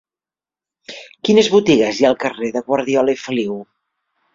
Quines botigues hi ha al carrer de Guardiola i Feliu?